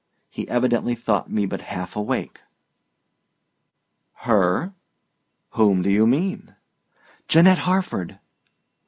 He evidently thought me but half awake. "Her? Whom do you mean?" "Janette Harford."